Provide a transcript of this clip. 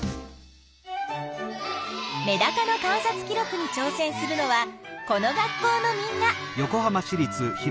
メダカの観察記録にちょう戦するのはこの学校のみんな。